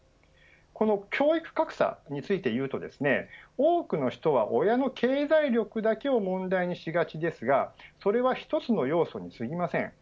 この教育格差について言うとですね多くの人は、親の経済力だけを問題にしがちですがそれは一つの要素に過ぎません。